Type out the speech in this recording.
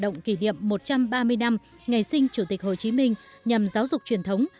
chương trình sẽ hoạt động kỷ niệm một trăm ba mươi năm ngày sinh chủ tịch hồ chí minh nhằm giáo dục truyền thống